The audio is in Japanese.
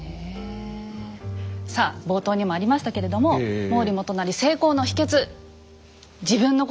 さあ冒頭にもありましたけれども毛利元就成功の秘けつ。